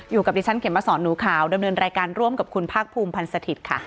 อยู่กับดิฉันเข็มมาสอนหนูขาวดำเนินรายการร่วมกับคุณภาคภูมิพันธ์สถิตย์ค่ะ